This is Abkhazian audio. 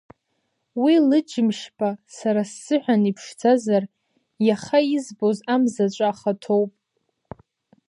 Уи лыџьымшь-па сара сзыҳәан иԥшӡазар, иаха избоз амзаҿа ахаҭоуп.